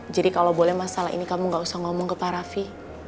jadi kalau boleh masalah ini kamu gak usah ngomong ke pak rafi